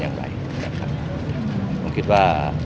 การอภิกษาก็จะ